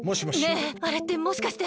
ねえあれってもしかして。